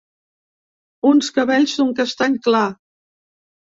Uns cabells d'un castany clar.